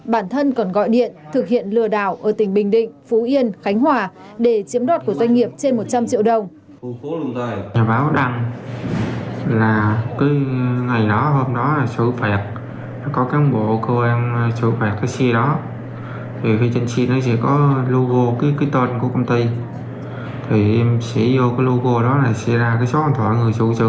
bản thân còn gọi điện thực hiện lừa đảo ở tỉnh bình định phú yên khánh hòa để chiếm đoạt của doanh nghiệp trên một trăm linh triệu đồng